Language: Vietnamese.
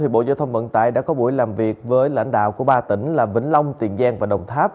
bộ giao thông vận tải đã có buổi làm việc với lãnh đạo của ba tỉnh là vĩnh long tiền giang và đồng tháp